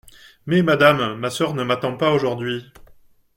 Mais, madame, ma sœur ne m’attend pas aujourd’hui.